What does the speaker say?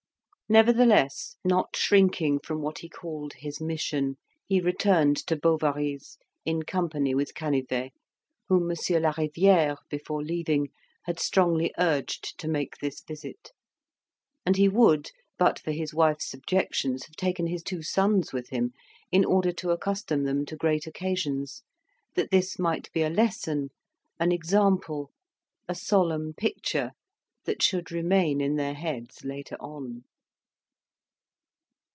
Nevertheless, not shrinking from what he called his mission, he returned to Bovary's in company with Canivet whom Monsieur Lariviere, before leaving, had strongly urged to make this visit; and he would, but for his wife's objections, have taken his two sons with him, in order to accustom them to great occasions; that this might be a lesson, an example, a solemn picture, that should remain in their heads later on.